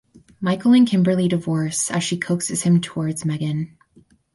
Michael and Kimberly divorce as she coaxes him towards Megan.